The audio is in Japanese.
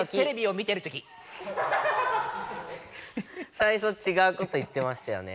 最初ちがうこと言ってましたよね。